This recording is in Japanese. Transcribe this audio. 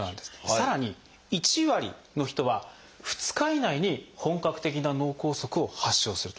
さらに１割の人は２日以内に本格的な脳梗塞を発症すると。